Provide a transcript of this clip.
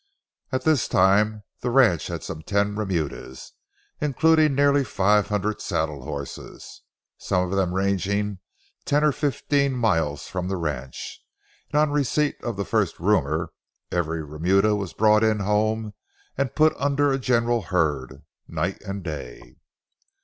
At this time the ranch had some ten remudas including nearly five hundred saddle horses, some of them ranging ten or fifteen miles from the ranch, and on receipt of the first rumor, every remuda was brought in home and put under a general herd, night and day.